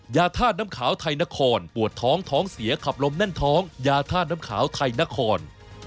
ยาธาตุน้ำขาวไทยนครปวดท้องท้องเสียขับลมแน่นท้องยาธาตุน้ำขาวไทยนคร